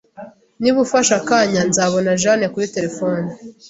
Niba ufashe akanya, nzabona Jane kuri terefone